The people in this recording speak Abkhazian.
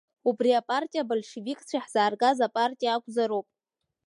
Убри апартиа абольшевикцәа иаҳзааргаз апартиа акәзароуп.